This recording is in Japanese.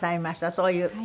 そういう。